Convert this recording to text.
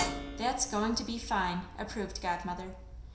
"That's going to be fine!" approved Godmother.